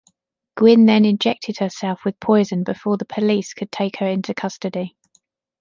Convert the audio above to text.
Gwyn then injected herself with poison before the police could take her into custody.